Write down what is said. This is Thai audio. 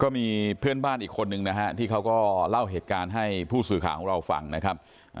มีเพื่อนบ้านอีกคนนึงนะฮะที่เขาก็เล่าเหตุการณ์ให้ผู้สื่อข่าวของเราฟังนะครับ